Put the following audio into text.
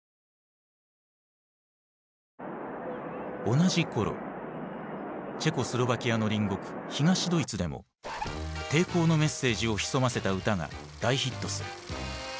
同じ頃チェコスロバキアの隣国東ドイツでも抵抗のメッセージを潜ませた歌が大ヒットする。